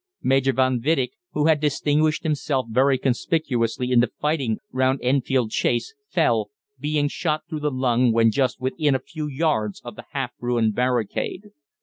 Major van Wittich, who had distinguished himself very conspicuously in the fighting round Enfield Chase, fell, being shot through the lung when just within a few yards of the half ruined barricade.